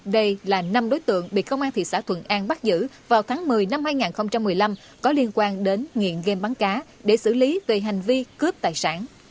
đây là năm đối tượng bị công an thị xã thuận an bắt giữ vào tháng một mươi năm hai nghìn một mươi năm có liên quan đến nghiện game bắn cá để xử lý về hành vi cướp tài sản